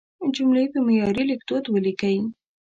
جملې په معیاري لیکدود ولیکئ.